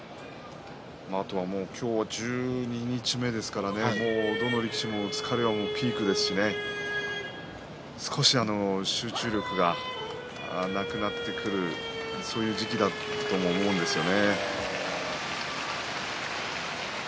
今日は十二日目ですからどの力士も疲れはピークですし少し集中力がなくなってくるそういう時期だと思うんですけど。